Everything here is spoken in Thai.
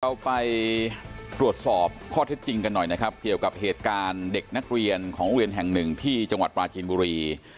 เราไปตรวจสอบข้อเท็จจริงกันหน่อยนะครับเกี่ยวกับเหตุการณ์เด็กนักเรียนของโรงเรียนแห่งหนึ่งที่จังหวัดปราจีนบุรี